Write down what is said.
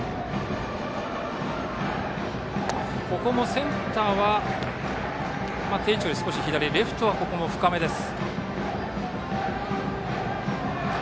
ここもセンターは定位置より少し左レフトは深めです。